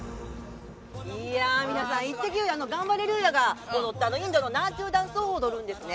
いやー、皆さん、イッテＱ！、ガンバレルーヤが踊った、インドのナートゥダンスを踊るんですね。